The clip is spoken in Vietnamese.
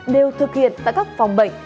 đều thực hiện tại các phòng bệnh